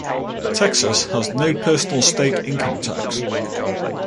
Texas has no personal state income tax.